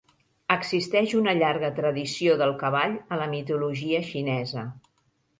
Existeix una llarga tradició del cavall a la mitologia xinesa.